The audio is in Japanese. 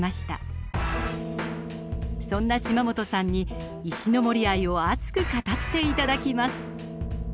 そんな島本さんに石森愛を熱く語って頂きます。